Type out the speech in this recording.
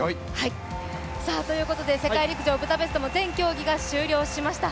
世界陸上ブダペストも全競技が終了しました。